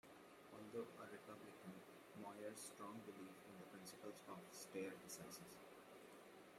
Although a Republican, Moyer's strong belief in the principles of "stare decisis".